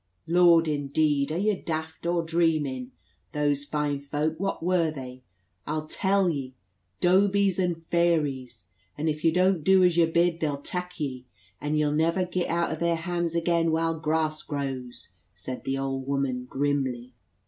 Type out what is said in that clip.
"Lord, indeed! are ye daft or dreamin'? Those fine folk, what were they? I'll tell ye. Dobies and fairies; and if ye don't du as yer bid, they'll tak ye, and ye'll never git out o' their hands again while grass grows," said the old woman grimly.